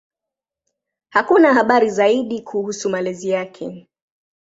Hakuna habari zaidi kuhusu malezi yake.